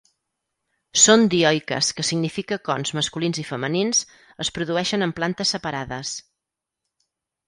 Són dioiques que significa cons masculins i femenins es produeixen en plantes separades.